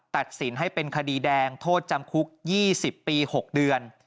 ตัดสินให้เป็นคดีแดงโทษจำคุก๒๐ปี๖เดือน